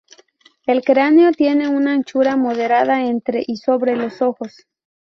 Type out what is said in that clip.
El cráneo tiene una anchura moderada entre y sobre los ojos.